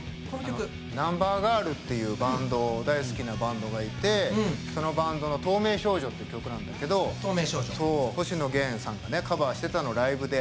ナンバーガールっていう大好きなバンドがいてそのバンドの「透明少女」っていう曲なんだけど星野源さんがカバーしてたのライブで。